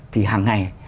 thì hàng ngày